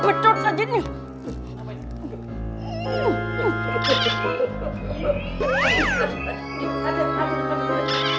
betot aja dia